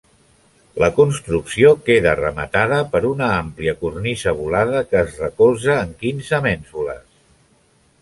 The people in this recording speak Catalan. La construcció queda rematada per una àmplia cornisa volada que es recolza en quinze mènsules.